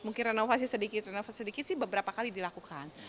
mungkin renovasi sedikit renovasi sedikit sih beberapa kali dilakukan